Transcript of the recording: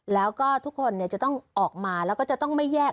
แล้วก็ทุกคนจะต้องออกมาแล้วก็จะต้องไม่แยก